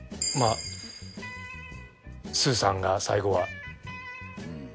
まあスーさんが最後は。